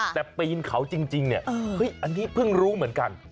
แต่ปีนเขาจริงเนี่ยอันนี้เพิ่งรู้เหมือนกัน